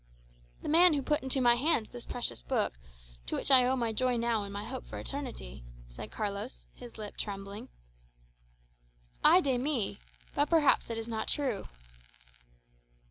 "The man who put into my hands this precious Book, to which I owe my joy now and my hope for eternity," said Carlos, his lip trembling. "Ay de mi! But perhaps it is not true."